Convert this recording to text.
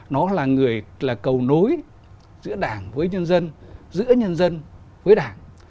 nó là người là cầu nối giữa đảng với nhân dân giữa nhân dân với đảng